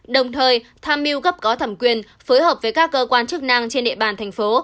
đồng thời tham mưu cấp có thẩm quyền phối hợp với các cơ quan chức năng trên địa bàn thành phố